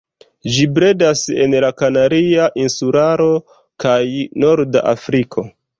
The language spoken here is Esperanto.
Ĝi bredas en la Kanaria Insularo kaj norda Afriko.